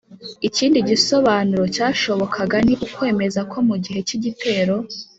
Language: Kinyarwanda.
ikindi gisobanuro cyashobokaga ni ukwemeza ko mu gihe cy'igitero,